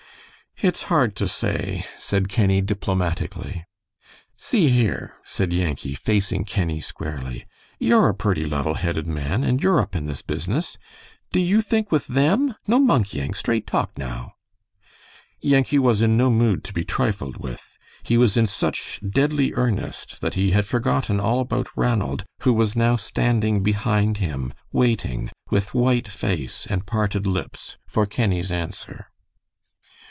"It's hard to say," said Kenny, diplomatically. "See here," said Yankee, facing Kenny squarely, "you're a purty level headed man, and you're up in this business. Do you think with them? No monkeying. Straight talk now." Yankee was in no mood to be trifled with. He was in such deadly earnest that he had forgotten all about Ranald, who was now standing behind him, waiting, with white face and parted lips, for Kenny's answer.